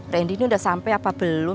rendi ini udah sampai apa belum